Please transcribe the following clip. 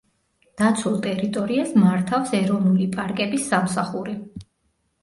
დაცულ ტერიტორიას მართავს ეროვნული პარკების სამსახური.